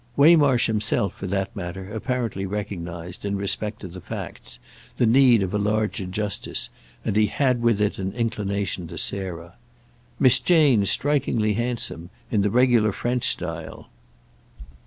Waymarsh himself, for that matter, apparently recognised, in respect to the facts, the need of a larger justice, and he had with it an inclination to Sarah. "Miss Jane's strikingly handsome—in the regular French style."